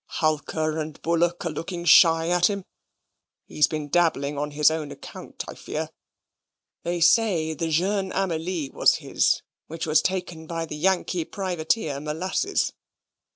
Hulker & Bullock are looking shy at him. He's been dabbling on his own account I fear. They say the Jeune Amelie was his, which was taken by the Yankee privateer Molasses.